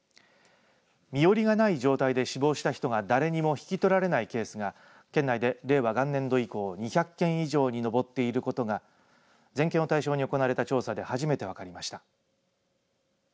身寄りがない状態で死亡した人が誰にも引き取られないケースが県内で、令和元年度以降２００件以上に上っていることが全県を対象に行われた調査で初めて分かりました。